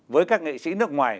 với các nghệ sĩ nước ngoài